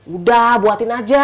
udah buatin aja